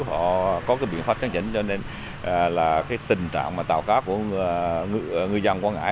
họ có cái biện pháp chẳng chỉnh cho nên là cái tình trạng mà tàu cá của ngư dân quan ngãi